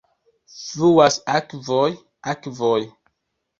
Fluas akvoj, akvoj.